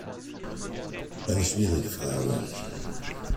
Eine schwierige Frage.